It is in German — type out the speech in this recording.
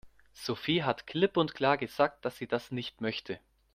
Sophie hat klipp und klar gesagt, dass sie das nicht möchte.